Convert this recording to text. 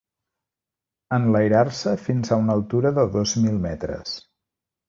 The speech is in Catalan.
Enlairar-se fins a una altura de dos mil metres.